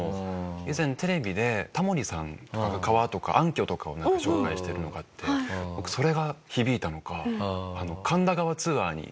以前テレビでタモリさんとかが川とか暗渠とかを紹介しているのがあって僕それが響いたのか神田川ツアーに。